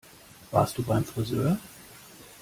Warst du beim Frisör?